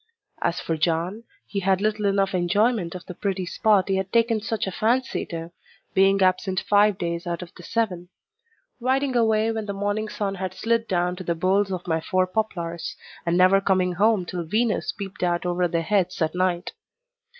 As for John, he had little enough enjoyment of the pretty spot he had taken such a fancy to, being absent five days out of the seven; riding away when the morning sun had slid down to the boles of my four poplars, and never coming home till Venus peeped out over their heads at night.